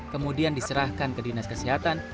kemudian diserahkan ke dinas kesehatan